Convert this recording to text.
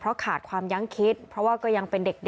ขาดความยั้งคิดเพราะว่าก็ยังเป็นเด็ก